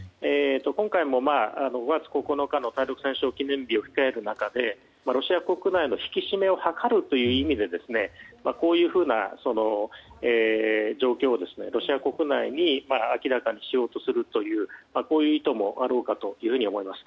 今回も５月９日の対独戦勝記念日を控える中でロシア国内の引き締めを図るという意味でこういうふうな状況をロシア国内に明らかにしようとするという意図もあろうかと思います。